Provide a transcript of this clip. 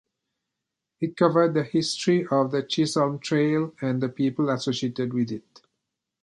It covered the history of the Chisholm Trail and the people associated with it.